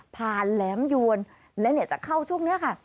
แหลมยวนและจะเข้าช่วงนี้ค่ะ